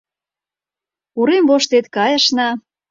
Урем воштет кайышна -